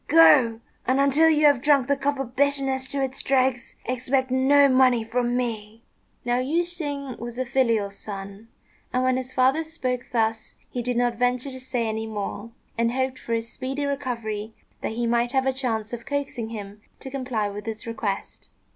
Go! and, until you have drunk the cup of bitterness to its dregs, expect no money from me." Now Yüeh shêng was a filial son, and when his father spoke thus he did not venture to say any more, and hoped for his speedy recovery that he might have a chance of coaxing him to comply with his request.